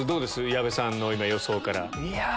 矢部さんの予想から。